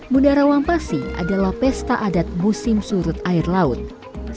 munara wampasi adalah pesta adat musim terakhir di indonesia